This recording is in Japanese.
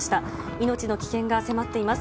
命の危険が迫っています。